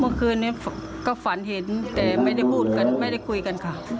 เมื่อคืนนี้ก็ฝันเห็นแต่ไม่ได้พูดกันไม่ได้คุยกันค่ะ